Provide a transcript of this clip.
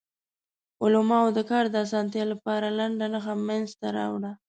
علماوو د کار د اسانتیا لپاره لنډه نښه منځ ته راوړه.